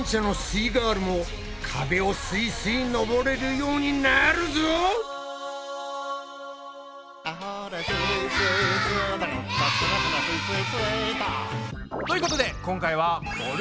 イガールも壁をすいすい登れるようになるぞ！ということで今回は「ボルダリング」です。